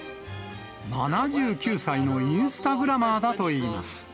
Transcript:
７９歳のインスタグラマーだといいます。